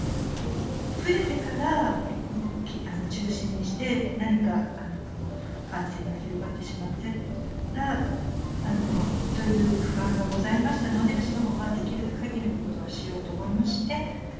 増えてから、中止にして、何か感染が広がってしまってという不安がございましたので、私どもはできるかぎりのことはしようと思いまして。